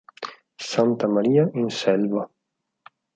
Santa Maria in Selva